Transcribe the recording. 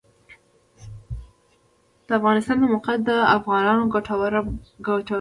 د افغانستان د موقعیت د افغانانو د ګټورتیا برخه ده.